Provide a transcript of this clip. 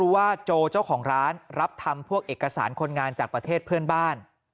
ว่าโจเจ้าของร้านรับทำพวกเอกสารคนงานจากประเทศเพื่อนบ้าน